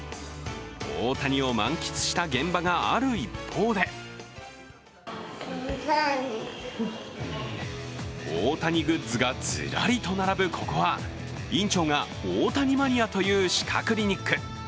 大谷を満喫した現場がある一方で大谷グッズがずらりと並ぶここは院長が大谷マニアという歯科クリニック。